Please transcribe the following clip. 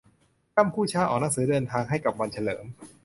กัมพูชาออกหนังสือเดินทางให้กับวันเฉลิม